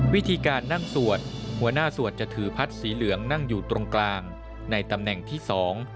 วิธีการนั่งสวดหัวหน้าสวดจะถือพัดสีเหลืองนั่งอยู่ตรงกลางในตำแหน่งที่สอง